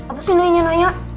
apa sih nenek nanya